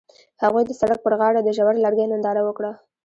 هغوی د سړک پر غاړه د ژور لرګی ننداره وکړه.